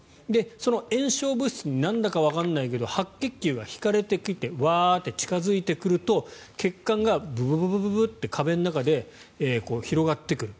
その炎症物質になんだかわからないけど白血球が引かれてきてワーッと近付いてくると血管が壁の中で広がってくる。